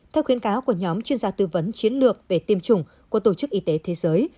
theo khuyến cáo của nhóm chuyên gia tư vấn chiến lược về tiêm chủng của tổ chức y tế thế giới